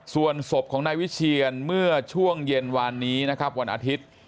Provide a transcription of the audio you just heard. ส่วนศพของนายวิเชียนเมื่อช่วงเย็นวานนี้นะครับวันอาทิตย์